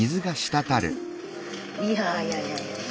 いやいやいや。